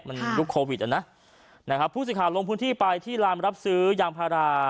มันยุคโควิดอ่ะนะนะครับผู้สื่อข่าวลงพื้นที่ไปที่ลานรับซื้อยางพารา